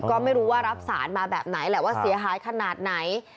ก็ไม่รู้ว่ารับสารมาแบบไหนแหละว่าเสียหายขนาดไหน